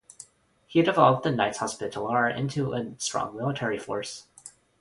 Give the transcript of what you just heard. He developed the Knights Hospitaller into a strong military force.